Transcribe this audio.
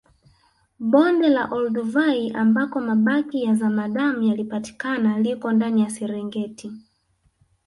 Bonde la Olduvai ambako mabaki ya zamadamu yalipatikana liko ndani ya Serengeti